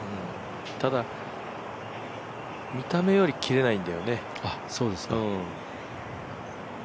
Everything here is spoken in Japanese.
ただ見た目より切れないんだよね。